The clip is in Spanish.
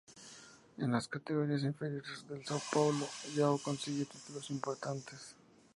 En las categorías inferiores del São Paulo, João consiguió títulos importantes.